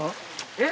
えっ！